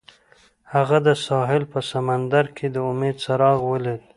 هغه د ساحل په سمندر کې د امید څراغ ولید.